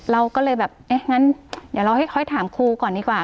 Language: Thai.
เราก็เลยแบบเอ๊ะงั้นเดี๋ยวเราค่อยถามครูก่อนดีกว่า